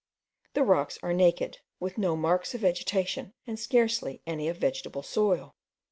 The rocks are naked, with no marks of vegetation, and scarcely any of vegetable soil.